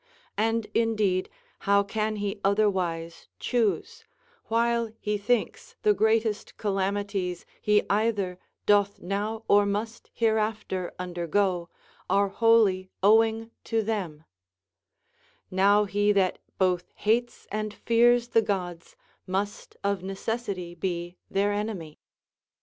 And indeed, how can he otherwise choose, while he thinks the greatest calamities he either doth now or must hereafter undergo are wholly owing to them ] Now he that both hates and fears the Gods must of necessity be their enemy.